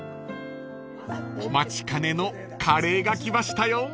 ［お待ちかねのカレーが来ましたよ］